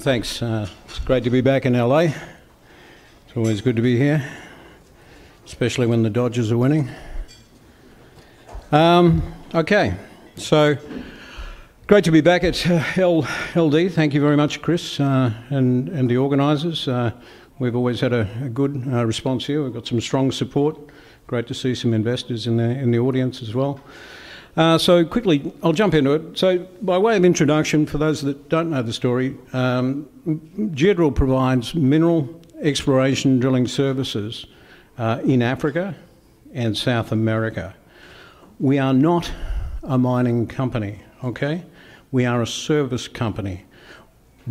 Thanks. It's great to be back in LA. It's always good to be here, especially when the Dodgers are winning. Okay, so great to be back at LA. Thank you very much, Chris, and the organizers. We've always had a good response here. We've got some strong support. Great to see some investors in the audience as well. Quickly, I'll jump into it. By way of introduction, for those that don't know the story, Geodrill provides mineral exploration drilling services in Africa and South America. We are not a mining company, okay? We are a service company.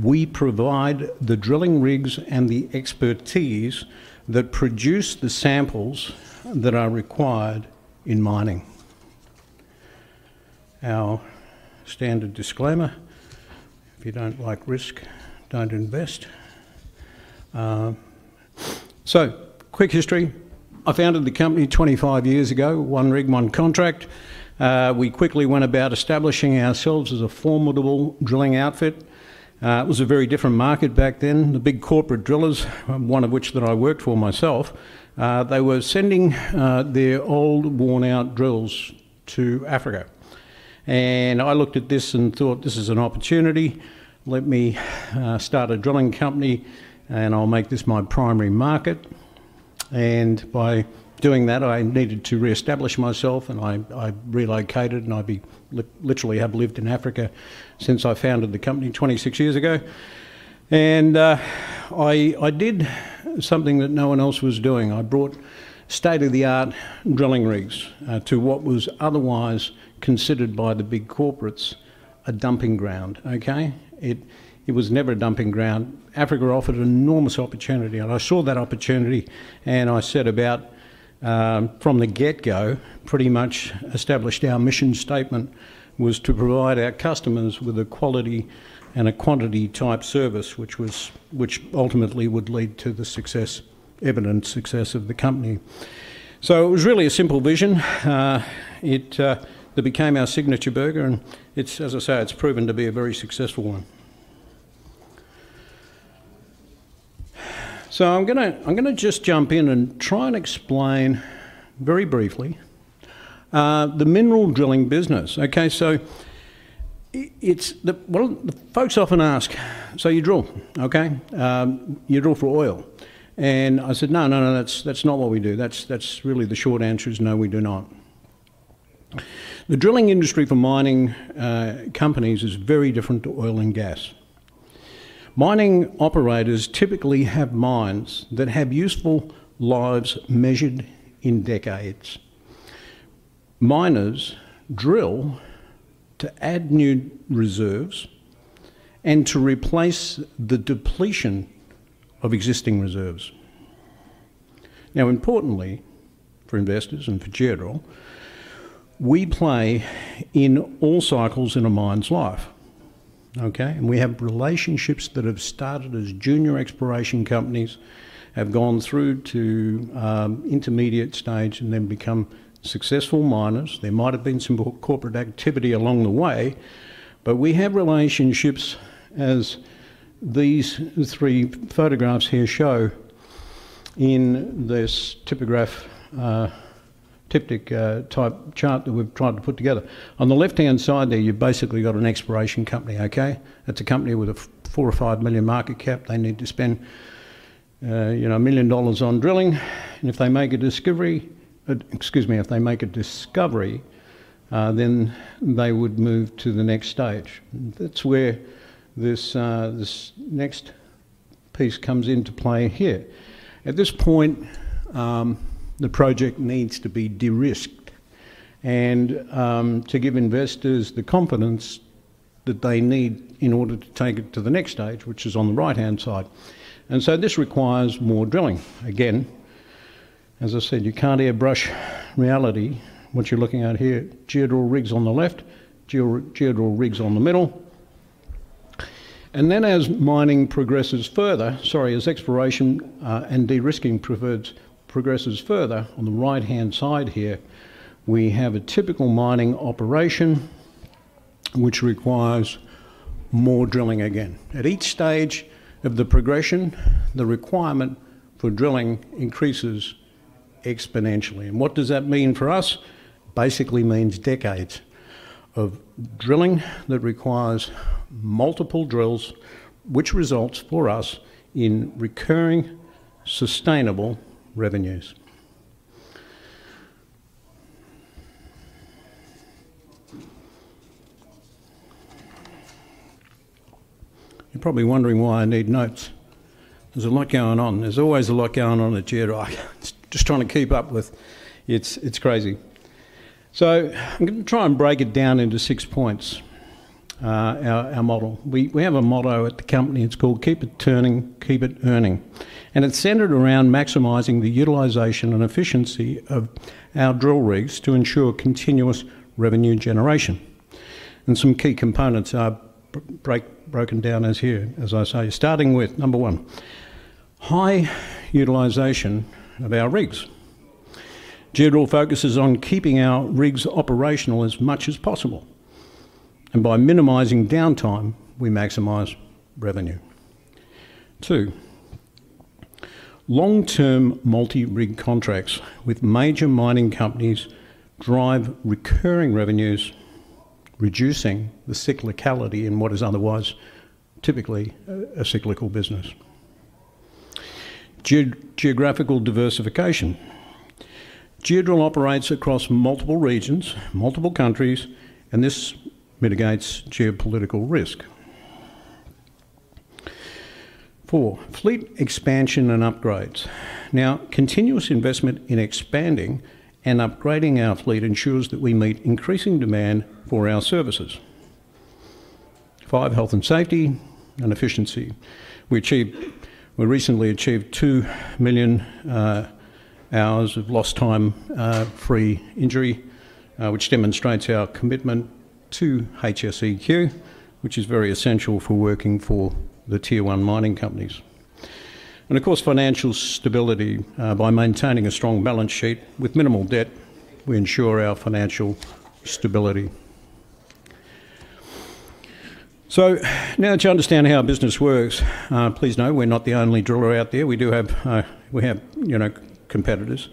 We provide the drilling rigs and the expertise that produce the samples that are required in mining. Our standard disclaimer: if you don't like risk, don't invest. Quick history. I founded the company 25 years ago, one rig contract. We quickly went about establishing ourselves as a formidable drilling outfit. It was a very different market back then. The big corporate drillers, one of which that I worked for myself, they were sending their old, worn-out drills to Africa. And I looked at this and thought, "This is an opportunity. Let me start a drilling company, and I'll make this my primary market." And by doing that, I needed to reestablish myself, and I relocated, and I literally have lived in Africa since I founded the company 26 years ago. And I did something that no one else was doing. I brought state-of-the-art drilling rigs to what was otherwise considered by the big corporates a dumping ground, okay? It was never a dumping ground. Africa offered an enormous opportunity, and I saw that opportunity, and I set about from the get-go, pretty much established our mission statement was to provide our customers with a quality and a quantity-type service, which ultimately would lead to the success, evident success of the company so it was really a simple vision. It became our signature burger, and as I say, it's proven to be a very successful one so I'm going to just jump in and try and explain very briefly the mineral drilling business, okay so folks often ask, "So you drill, okay? You drill for oil?" And I said, "No, no, no. That's not what we do." That's really the short answer is no, we do not. The drilling industry for mining companies is very different to oil and gas. Mining operators typically have mines that have useful lives measured in decades. Miners drill to add new reserves and to replace the depletion of existing reserves. Now, importantly, for investors and for Geodrill, we play in all cycles in a mine's life, okay? And we have relationships that have started as junior exploration companies, have gone through to intermediate stage, and then become successful miners. There might have been some corporate activity along the way, but we have relationships as these three photographs here show in this typical chart that we've tried to put together. On the left-hand side there, you've basically got an exploration company, okay? That's a company with a $4-5 million market cap. They need to spend $1 million on drilling, and if they make a discovery, excuse me, if they make a discovery, then they would move to the next stage. That's where this next piece comes into play here. At this point, the project needs to be de-risked and to give investors the confidence that they need in order to take it to the next stage, which is on the right-hand side, and so this requires more drilling. Again, as I said, you can't airbrush reality what you're looking at here. Geodrill rigs on the left, Geodrill rigs on the middle, and then as mining progresses further, sorry, as exploration and de-risking progresses further, on the right-hand side here, we have a typical mining operation which requires more drilling again. At each stage of the progression, the requirement for drilling increases exponentially, and what does that mean for us? Basically means decades of drilling that requires multiple drills, which results for us in recurring sustainable revenues. You're probably wondering why I need notes. There's a lot going on. There's always a lot going on at Geodrill. It's crazy. So I'm going to try and break it down into six points, our model. We have a motto at the company. It's called "Keep it turning, keep it earning." And it's centered around maximizing the utilization and efficiency of our drill rigs to ensure continuous revenue generation. And some key components are broken down right here, as I say. Starting with number one, high utilization of our rigs. Geodrill focuses on keeping our rigs operational as much as possible. And by minimizing downtime, we maximize revenue. Two, long-term multi-rig contracts with major mining companies drive recurring revenues, reducing the cyclicality in what is otherwise typically a cyclical business. Geographical diversification. Geodrill operates across multiple regions, multiple countries, and this mitigates geopolitical risk. Four, fleet expansion and upgrades. Now, continuous investment in expanding and upgrading our fleet ensures that we meet increasing demand for our services. Five, health and safety and efficiency. We recently achieved two million hours of lost time-free injury, which demonstrates our commitment to HSEQ, which is very essential for working for the Tier One mining companies. And of course, financial stability. By maintaining a strong balance sheet with minimal debt, we ensure our financial stability. So now to understand how business works, please know we're not the only driller out there. We do have competitors,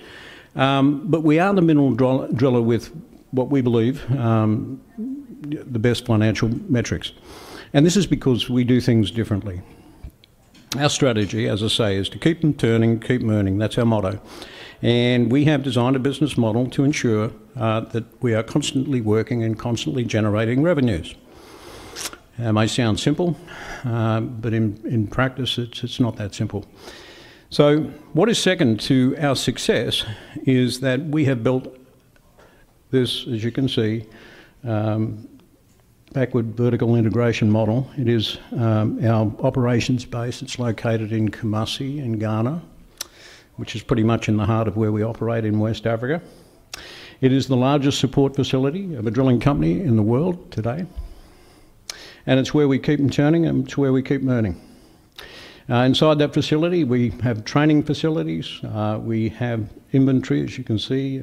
but we are the mineral driller with what we believe the best financial metrics. And this is because we do things differently. Our strategy, as I say, is to keep them turning, keep them earning. That's our motto. And we have designed a business model to ensure that we are constantly working and constantly generating revenues. It may sound simple, but in practice, it's not that simple, so what is second to our success is that we have built this, as you can see, backward vertical integration model. It is our operations base. It's located in Kumasi, in Ghana, which is pretty much in the heart of where we operate in West Africa. It is the largest support facility of a drilling company in the world today, and it's where we keep them turning, and it's where we keep them earning. Inside that facility, we have training facilities. We have inventory, as you can see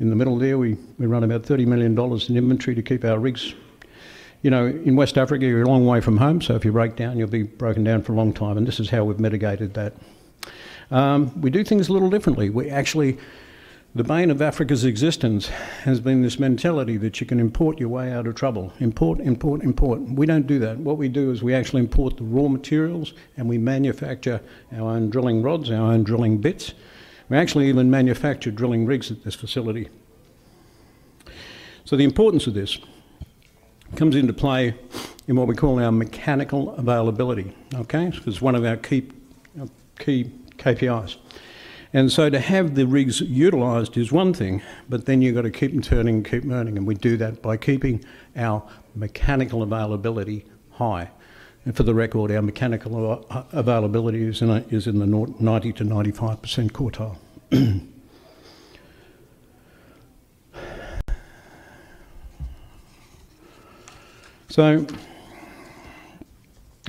in the middle there. We run about $30 million in inventory to keep our rigs. In West Africa, you're a long way from home, so if you break down, you'll be broken down for a long time, and this is how we've mitigated that. We do things a little differently. The bane of Africa's existence has been this mentality that you can import your way out of trouble. Import, import, import. We don't do that. What we do is we actually import the raw materials, and we manufacture our own drilling rods, our own drilling bits. We actually even manufacture drilling rigs at this facility, so the importance of this comes into play in what we call our mechanical availability, okay? It's one of our key KPIs, and so to have the rigs utilized is one thing, but then you've got to keep them turning, keep them earning. And we do that by keeping our mechanical availability high. And for the record, our mechanical availability is in the 90%-95% quartile.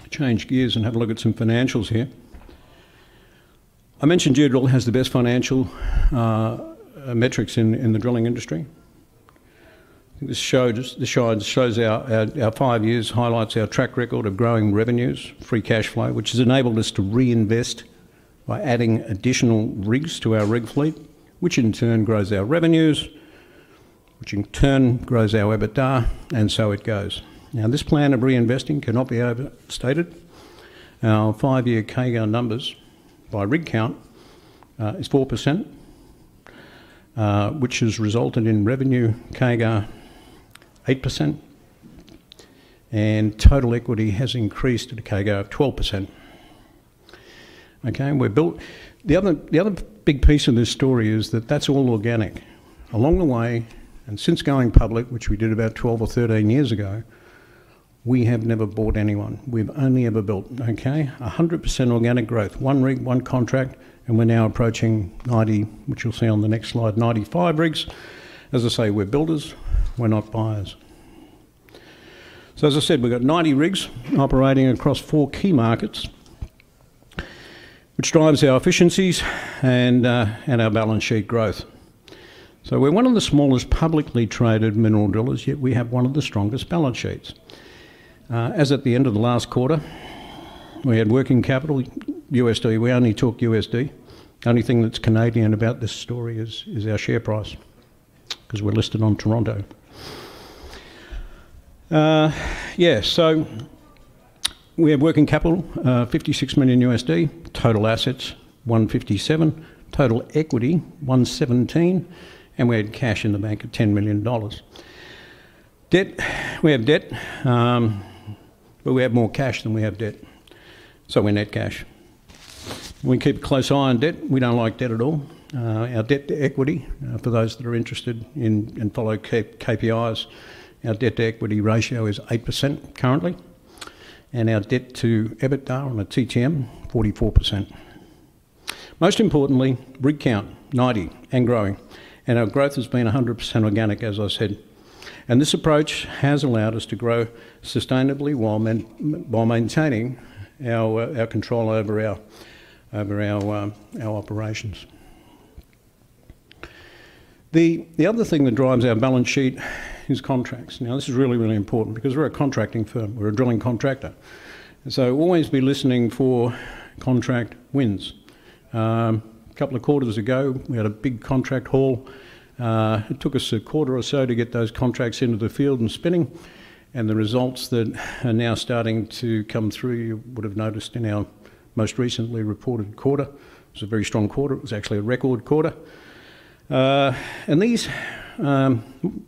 Change gears and have a look at some financials here. I mentioned Geodrill has the best financial metrics in the drilling industry. This shows our five years, highlights our track record of growing revenues, free cash flow, which has enabled us to reinvest by adding additional rigs to our rig fleet, which in turn grows our revenues, which in turn grows our EBITDA, and so it goes. Now, this plan of reinvesting cannot be overstated. Our five-year CAGR numbers by rig count is 4%, which has resulted in revenue KGAR 8%, and total equity has increased at a CAGR of 12%. Okay? The other big piece of this story is that that's all organic. Along the way, and since going public, which we did about 12 or 13 years ago, we have never bought anyone. We've only ever built, okay? 100% organic growth, one rig, one contract, and we're now approaching 90, which you'll see on the next slide, 95 rigs. As I say, we're builders. We're not buyers. As I said, we've got 90 rigs operating across four key markets, which drives our efficiencies and our balance sheet growth. We're one of the smallest publicly traded mineral drillers, yet we have one of the strongest balance sheets. As at the end of the last quarter, we had working capital USD. We only took USD. The only thing that's Canadian about this story is our share price because we're listed on Toronto. Yeah. We have working capital $56 million, total assets $157 million, total equity $117 million, and we had cash in the bank of $10 million. We have debt, but we have more cash than we have debt. We net cash. We keep a close eye on debt. We don't like debt at all. Our debt to equity, for those that are interested in and follow KPIs, our debt to equity ratio is 8% currently, and our debt to EBITDA on a TTM, 44%. Most importantly, rig count, 90, and growing. And our growth has been 100% organic, as I said. And this approach has allowed us to grow sustainably while maintaining our control over our operations. The other thing that drives our balance sheet is contracts. Now, this is really, really important because we're a contracting firm. We're a drilling contractor. So always be listening for contract wins. A couple of quarters ago, we had a big contract haul. It took us a quarter or so to get those contracts into the field and spinning, and the results that are now starting to come through, you would have noticed in our most recently reported quarter. It was a very strong quarter. It was actually a record quarter. And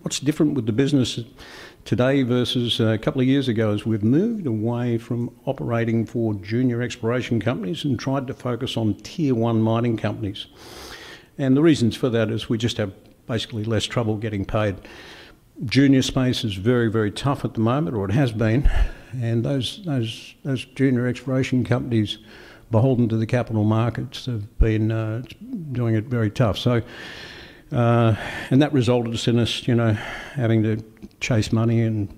what's different with the business today versus a couple of years ago is we've moved away from operating for Junior Exploration Companies and tried to focus on Tier One mining companies. And the reasons for that is we just have basically less trouble getting paid. Junior space is very, very tough at the moment, or it has been. And those Junior Exploration Companies beholden to the capital markets have been doing it very tough. And that resulted in us having to chase money, and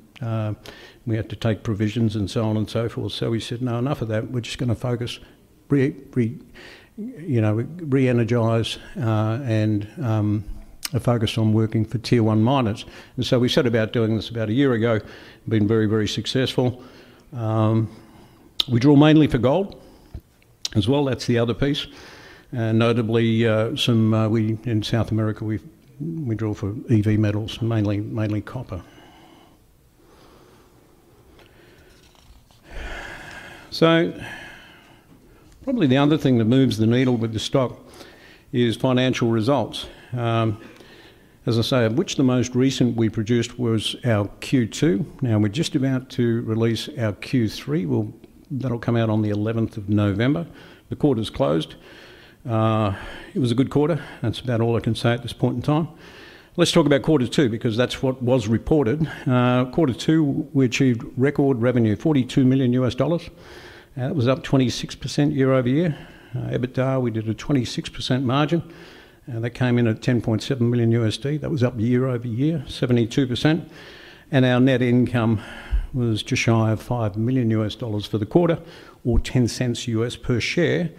we had to take provisions and so on and so forth. So we said, "No, enough of that. We're just going to focus, reenergize, and focus on working for Tier One miners." And so we set about doing this about a year ago, been very, very successful. We drill mainly for gold as well. That's the other piece. Notably, in South America, we drill for EV metals, mainly copper. So probably the other thing that moves the needle with the stock is financial results. As I say, of which the most recent we produced was our Q2. Now, we're just about to release our Q3. That'll come out on the 11th of November. The quarter's closed. It was a good quarter. That's about all I can say at this point in time. Let's talk about Q2 because that's what was reported. Q2, we achieved record revenue, $42 million. That was up 26% year over year. EBITDA, we did a 26% margin. That came in at $10.7 million. That was up year over year, 72%. And our net income was just shy of $5 million for the quarter, or $0.10 per share.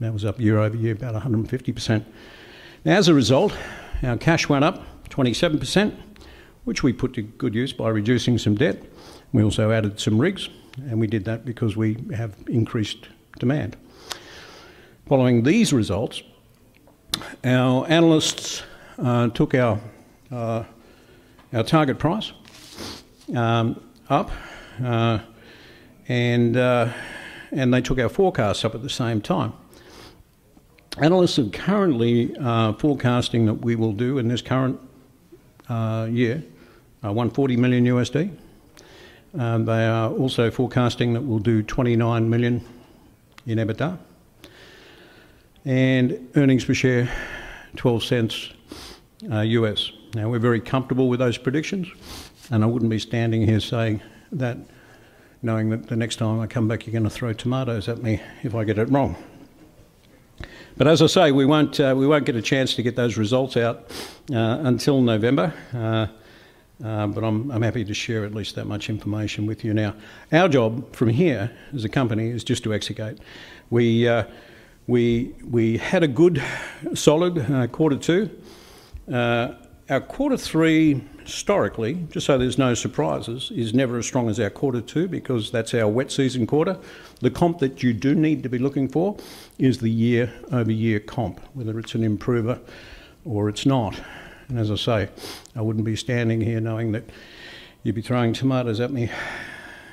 That was up year over year, about 150%. Now, as a result, our cash went up 27%, which we put to good use by reducing some debt. We also added some rigs, and we did that because we have increased demand. Following these results, our analysts took our target price up, and they took our forecast up at the same time. Analysts are currently forecasting that we will do, in this current year, $140 million. They are also forecasting that we'll do $29 million in EBITDA, and earnings per share, $0.12. Now, we're very comfortable with those predictions, and I wouldn't be standing here saying that, knowing that the next time I come back, you're going to throw tomatoes at me if I get it wrong, but as I say, we won't get a chance to get those results out until November, but I'm happy to share at least that much information with you now. Our job from here as a company is just to execute. We had a good, solid Q2. Our Q3, historically, just so there's no surprises, is never as strong as our Q2 because that's our wet season quarter. The comp that you do need to be looking for is the year-over-year comp, whether it's an improver or it's not, and as I say, I wouldn't be standing here knowing that you'd be throwing tomatoes at me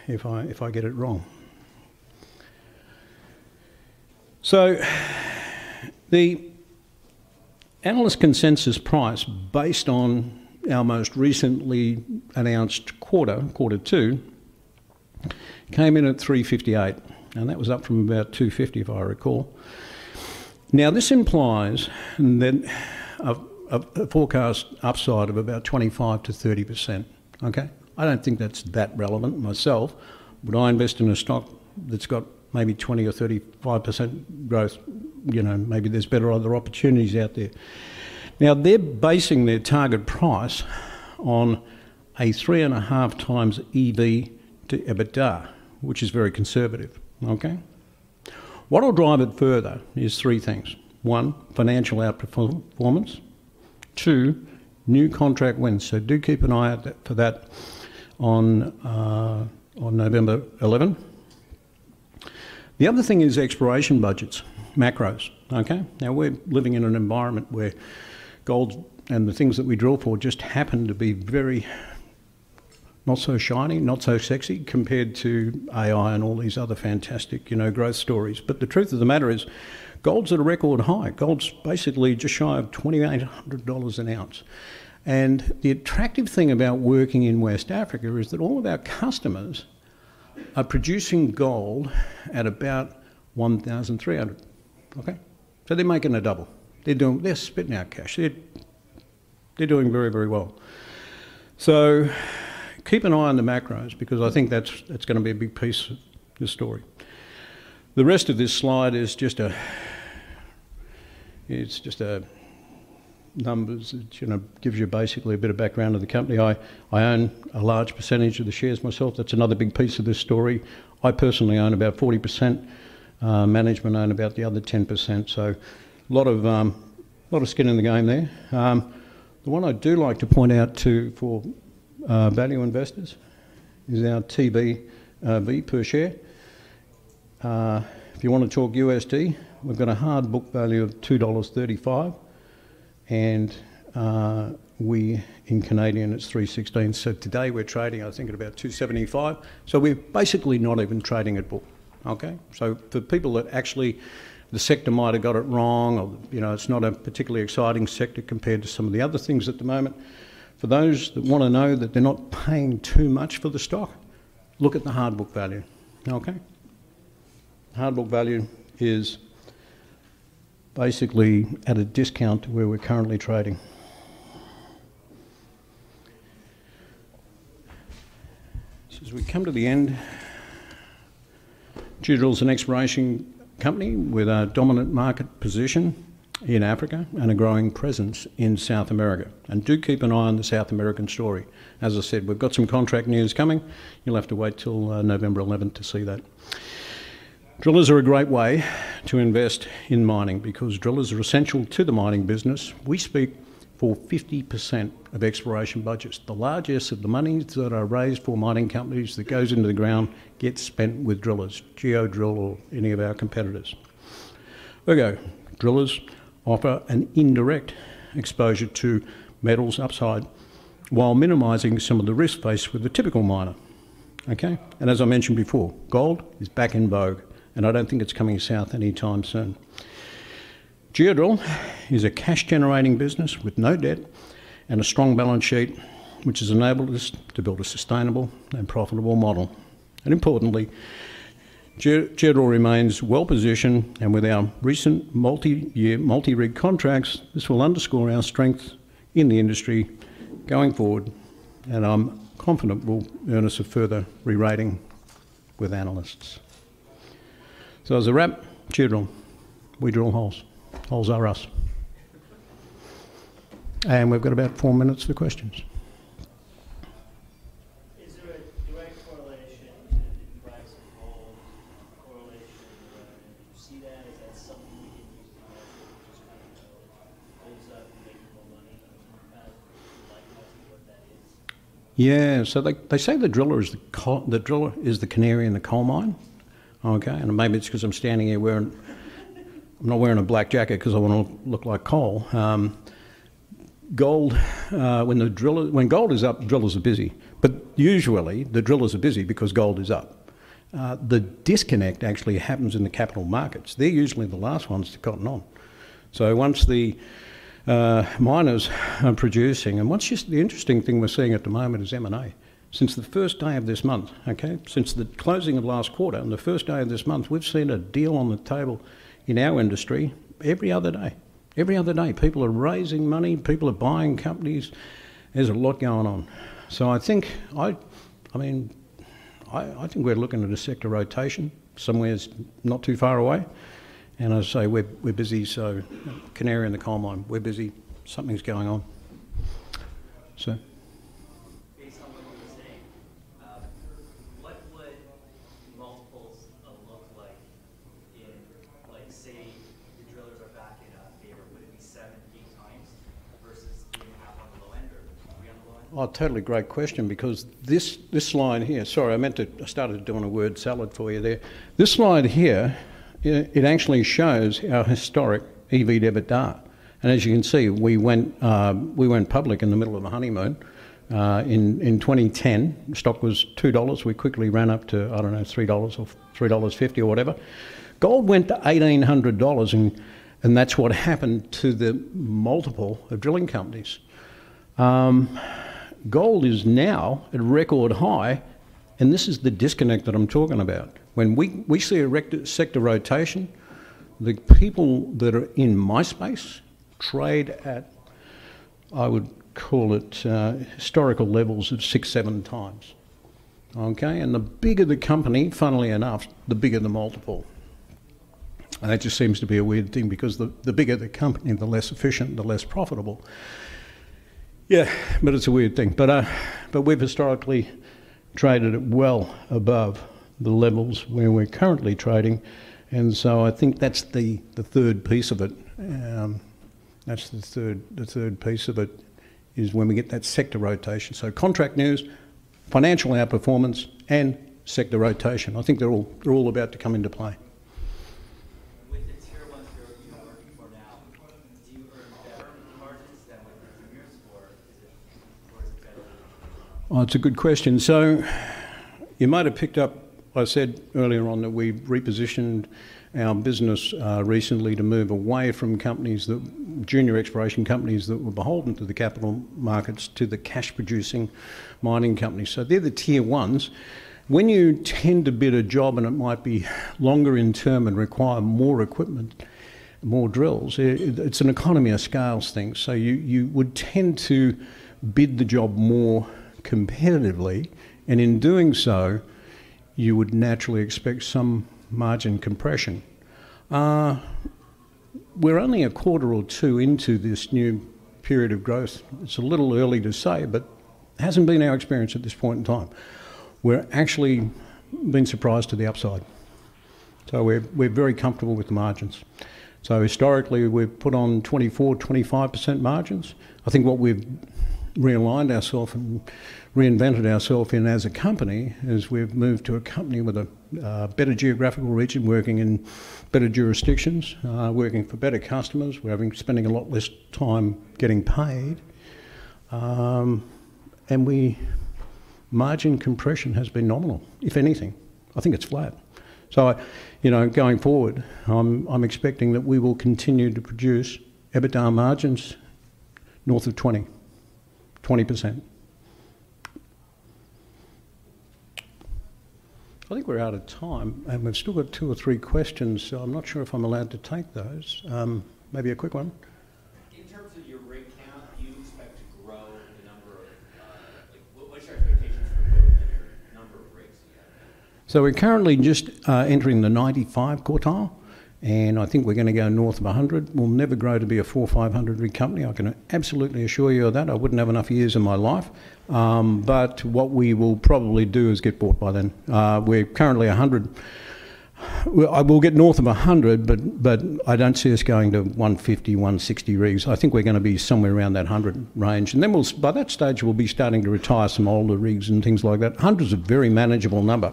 if I get it wrong, so the analyst consensus price based on our most recently announced quarter, Q2, came in at 358, and that was up from about 250, if I recall. Now, this implies a forecast upside of about 25%-30%. Okay? I don't think that's that relevant myself. Would I invest in a stock that's got maybe 20% or 35% growth? Maybe there's better other opportunities out there. Now, they're basing their target price on a three and a half times EV to EBITDA, which is very conservative. Okay? What will drive it further is three things. One, financial outperformance. Two, new contract wins. So do keep an eye out for that on November 11. The other thing is exploration budgets, macros. Okay? Now, we're living in an environment where gold and the things that we drill for just happen to be very not so shiny, not so sexy compared to AI and all these other fantastic growth stories. But the truth of the matter is gold's at a record high. Gold's basically just shy of $2,800 an ounce. And the attractive thing about working in West Africa is that all of our customers are producing gold at about $1,300. Okay? So they're making a double. They're spitting out cash. They're doing very, very well. So keep an eye on the macros because I think that's going to be a big piece of this story. The rest of this slide is just it's just numbers. It gives you basically a bit of background of the company. I own a large percentage of the shares myself. That's another big piece of this story. I personally own about 40%. Management own about the other 10%. So a lot of skin in the game there. The one I do like to point out too for value investors is our TBV per share. If you want to talk USD, we've got a hard book value of $2.35, and in Canadian, it's 3.16. So today, we're trading, I think, at about 2.75. So we're basically not even trading at book. Okay? For people that actually the sector might have got it wrong, or it's not a particularly exciting sector compared to some of the other things at the moment, for those that want to know that they're not paying too much for the stock, look at the tangible book value. Okay? Tangible book value is basically at a discount to where we're currently trading. As we come to the end, Geodrill is an exploration company with a dominant market position in Africa and a growing presence in South America. Do keep an eye on the South American story. As I said, we've got some contract news coming. You'll have to wait till November 11 to see that. Drillers are a great way to invest in mining because drillers are essential to the mining business. We speak for 50% of exploration budgets. The largest of the monies that are raised for mining companies that goes into the ground gets spent with drillers, Geodrill or any of our competitors. Drillers offer an indirect exposure to metals upside while minimizing some of the risk faced with the typical miner. Okay? And as I mentioned before, gold is back in vogue, and I don't think it's coming south any time soon. Geodrill is a cash-generating business with no debt and a strong balance sheet, which has enabled us to build a sustainable and profitable model. And importantly, Geodrill remains well-positioned, and with our recent multi-year, multi-rig contracts, this will underscore our strength in the industry going forward, and I'm confident we'll earn us a further re-rating with analysts. So as a wrap, Geodrill, we drill holes. Holes are us. And we've got about four minutes for questions. Is there a direct correlation to the price of gold, correlation with the revenue? Do you see that? Is that something we can use to measure, just kind of know gold's up and making more money? Like us, what that is? Yeah. So they say the driller is the canary in the coal mine. Okay? And maybe it's because I'm standing here wearing. I'm not wearing a black jacket because I want to look like coal. When gold is up, drillers are busy. But usually, the drillers are busy because gold is up. The disconnect actually happens in the capital markets. They're usually the last ones to catch on. So once the miners are producing, and what's just the interesting thing we're seeing at the moment is M&A. Since the first day of this month, okay, since the closing of last quarter and the first day of this month, we've seen a deal on the table in our industry every other day. Every other day, people are raising money. People are buying companies. There's a lot going on. So I think, I mean, I think we're looking at a sector rotation somewhere not too far away. And as I say, we're busy. So canary in the coal mine, we're busy. Something's going on. So. Based on what you were saying, what would multiples look like in, say, the drillers are back in favor? Would it be seven, eight times versus being half on the low end or three on the low end? Oh, totally great question because this line here. Sorry, I meant to. I started doing a word salad for you there. This line here, it actually shows our historical EV to EBITDA, and as you can see, we went public in the middle of a honeymoon. In 2010, the stock was $2. We quickly ran up to, I don't know, $3 or 3.50 or whatever. Gold went to $1,800, and that's what happened to the multiple of drilling companies. Gold is now at record high, and this is the disconnect that I'm talking about. When we see a sector rotation, the people that are in my space trade at, I would call it, historical levels of six, seven times. Okay? The bigger the company, funnily enough, the bigger the multiple. And that just seems to be a weird thing because the bigger the company, the less efficient, the less profitable. Yeah, but it's a weird thing. But we've historically traded well above the levels where we're currently trading. And so I think that's the third piece of it. That's the third piece of it is when we get that sector rotation. So contract news, financial outperformance, and sector rotation. I think they're all about to come into play. With the Tier One drill you're working for now, do you earn better margins than with the juniors? Or is it better than the juniors? Oh, that's a good question. So you might have picked up what I said earlier on that we repositioned our business recently to move away from companies, junior exploration companies that were beholden to the capital markets, to the cash-producing mining companies. So they're the Tier ones. When you tend to bid a job, and it might be longer in term and require more equipment, more drills, it's an economy of scale thing. So you would tend to bid the job more competitively, and in doing so, you would naturally expect some margin compression. We're only a quarter or two into this new period of growth. It's a little early to say, but it hasn't been our experience at this point in time. We're actually being surprised to the upside. So we're very comfortable with the margins. So historically, we've put on 24%-25% margins. I think what we've realigned ourselves and reinvented ourselves in as a company is we've moved to a company with a better geographical region, working in better jurisdictions, working for better customers. We're spending a lot less time getting paid, and margin compression has been nominal, if anything. I think it's flat, so going forward, I'm expecting that we will continue to produce EBITDA margins north of 20, 20%. I think we're out of time, and we've still got two or three questions, so I'm not sure if I'm allowed to take those. Maybe a quick one. In terms of your rig count, do you expect to grow the number of? What's your expectations for growth in your number of rigs you have now? So we're currently just entering the 95 quartile, and I think we're going to go north of 100. We'll never grow to be a 4,500 rig company. I can absolutely assure you of that. I wouldn't have enough years in my life. But what we will probably do is get bought by then. We're currently 100. We'll get north of 100, but I don't see us going to 150, 160 rigs. I think we're going to be somewhere around that 100 range. And then by that stage, we'll be starting to retire some older rigs and things like that. 100 is a very manageable number.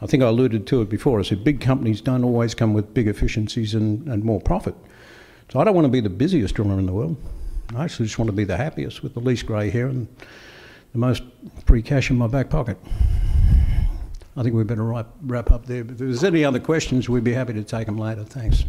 I think I alluded to it before. I said big companies don't always come with big efficiencies and more profit. So I don't want to be the busiest driller in the world. I actually just want to be the happiest with the least gray hair and the most free cash in my back pocket. I think we better wrap up there. If there's any other questions, we'd be happy to take them later. Thanks.